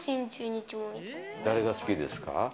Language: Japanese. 誰が好きですか？